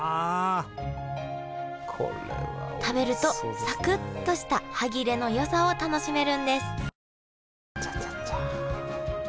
食べるとサクッとした歯切れのよさを楽しめるんですあちゃちゃちゃちゃ。